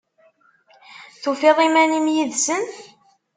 Tufiḍ iman-im yid-sen?